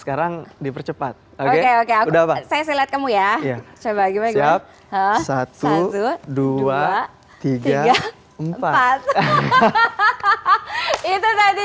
dua ribu tiga ratus tiga puluh empat sekarang dipercepat oke udah saya lihat kamu ya coba lagi siap seribu dua ratus tiga puluh empat hahaha itu tadi